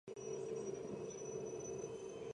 მაჰმუდ კაშგარის სახელობის საერთაშორისო პრემიის მფლობელი.